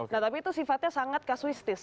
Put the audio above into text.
nah tapi itu sifatnya sangat kasuistis